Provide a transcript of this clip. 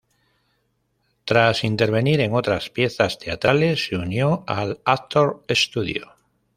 Tras intervenir en otras piezas teatrales se unió al Actor's Studio.